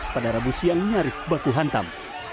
pada rabu siang nyaris baku hantam